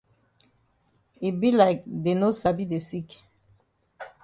E be like dey no sabi de sick.